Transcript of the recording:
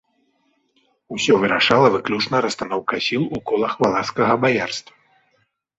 Усё вырашала выключна расстаноўка сіл у колах валашскага баярства.